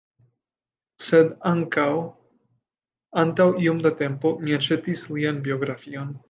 Sed, ankaŭ, antaŭ iom da tempo, mi aĉetis lian biografion.